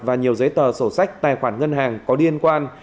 và nhiều giấy tờ sổ sách tài khoản ngân hàng có liên quan